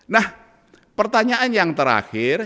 nah pertanyaan yang terakhir